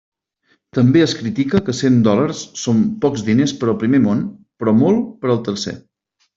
També es critica que cent dòlars són pocs diners per al primer món, però molt per al tercer.